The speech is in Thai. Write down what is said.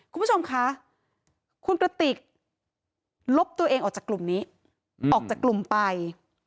คุณผู้ชมคะคุณกระติกลบตัวเองออกจากกลุ่มนี้ออกจากกลุ่มไป